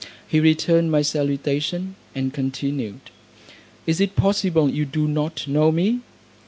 He returned my salutation, and continued, "Is it possible you do not know me?"